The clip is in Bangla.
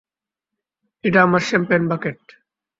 এটা আমার শ্যাম্পেন বাকেট।